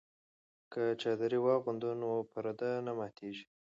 که چادري واغوندو نو پرده نه ماتیږي.